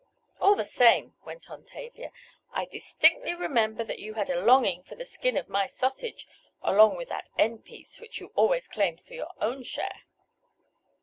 "All the same," went on Tavia, "I distinctly remember that you had a longing for the skin of my sausage, along with the end piece, which you always claimed for your own share."